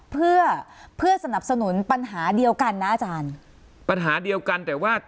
เพื่อเพื่อสนับสนุนปัญหาเดียวกันนะอาจารย์ปัญหาเดียวกันแต่ว่า